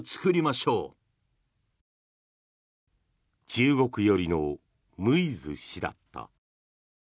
中国寄りのムイズ氏だった。